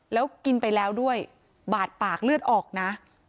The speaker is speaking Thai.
แล้วกินไปแล้วด้วยบาดปากเลือดออกนะ